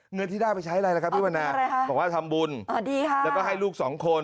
เงินที่ได้ไปใช้อะไรล่ะครับพี่วันนาบอกว่าทำบุญแล้วก็ให้ลูกสองคน